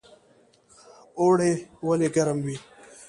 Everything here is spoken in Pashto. اوړی ولې ګرم وي؟